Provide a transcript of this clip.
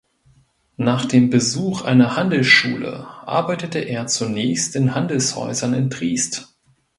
Nach dem Besuch einer Handelsschule arbeitete er zunächst in Handelshäusern in Triest.